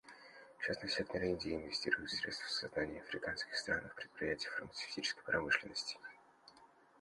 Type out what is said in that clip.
Частный сектор Индии инвестирует средства в создание в африканских странах предприятий фармацевтической промышленности.